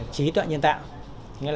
trí tuệ nhân tạo